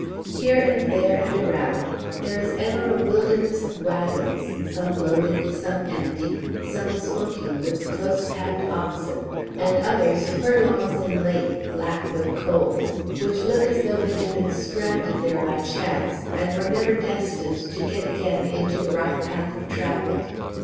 Here and there and around there is ever a wilderness of waggons, some loaded, some empty, some smoking with close packed oxen, and others furlongs in length black with coals, which look as though they had been stranded there by chance, and were never destined to get again into the right path of traffic.